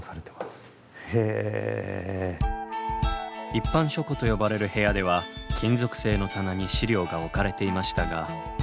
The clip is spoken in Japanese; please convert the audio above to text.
一般書庫と呼ばれる部屋では金属製の棚に資料が置かれていましたが。